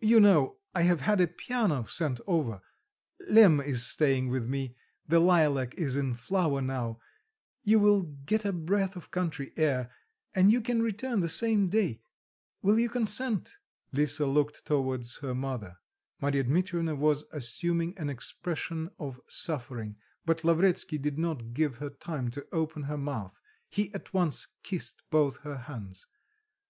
You know, I have had a piano sent over; Lemm is staying with me; the lilac is in flower now; you will get a breath of country air, and you can return the same day will you consent?" Lisa looked towards her mother; Marya Dmitrievna was assuming an expression of suffering; but Lavretsky did not give her time to open her mouth; he at once kissed both her hands.